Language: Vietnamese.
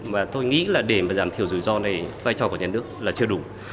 mà tôi nghĩ là để mà giảm thiểu dự do này vai trò của nhà nước là chưa đủ